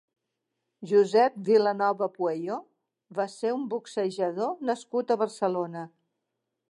Josep Vilanova Pueyo va ser un boxejador nascut a Barcelona.